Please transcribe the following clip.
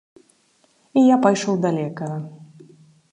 І я пайшоў да лекара.